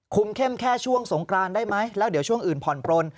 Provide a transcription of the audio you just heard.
เข้มแค่ช่วงสงกรานได้ไหมแล้วเดี๋ยวช่วงอื่นผ่อนปลน